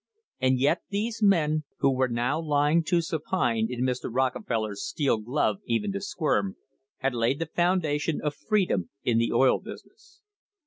And yet these men, who were now lying too supine in Mr. Rocke feller's steel glove even to squirm, had laid the foundation of freedom in the oil business.